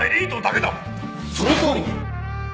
そのとおり！